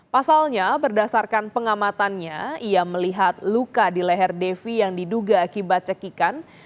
pasalnya berdasarkan pengamatannya ia melihat luka di leher devi yang diduga akibat cekikan